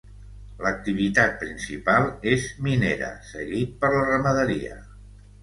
L'activitat principal és minera seguit per la ramaderia.